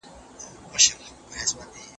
که څېړنه ژوره وي، نو نتيجه روښانه کېږي.